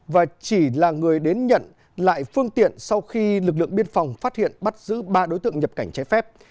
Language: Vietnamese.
và chỉ là người đến nhận lại phương tiện sau khi lực lượng biên phòng phát hiện bắt giữ ba đối tượng nhập cảnh trái phép